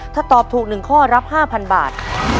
ถ้าตอบถูก๑ข้อรับ๕๐๐บาท